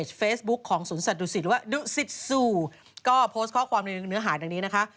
หัวปุ้งหัวปลาอะไรก็มีนะ